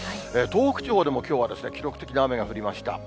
東北地方でもきょうは記録的な雨が降りました。